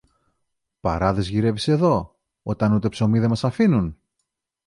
Παράδες γυρεύεις εδώ, όταν ούτε ψωμί δεν μας αφήνουν;